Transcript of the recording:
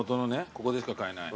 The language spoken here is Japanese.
ここでしか買えない。